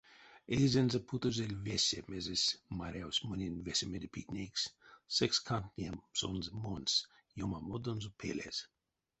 Эйзэнзэ путозель весе, мезесь марявсь монень весемеде питнейкс, секс кандтния сонзэ монсь ёмамодонзо пелезь.